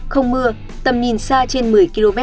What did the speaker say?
không mưa tầm nhìn xa trên một mươi km